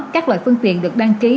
các loại phương tiện được đăng ký